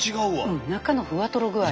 うん中のふわとろ具合が。